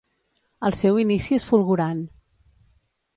El seu inici és fulgurant.